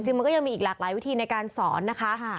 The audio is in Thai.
มันก็ยังมีอีกหลากหลายวิธีในการสอนนะคะ